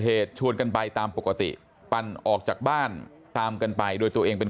ชวนกันไปตามปกติปั่นออกจากบ้านตามกันไปโดยตัวเองเป็น